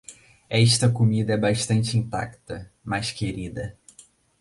Esta comida é bastante intacta, mas querida.